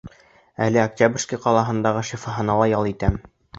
Әле Октябрьский ҡалаһындағы шифаханала ял итәм.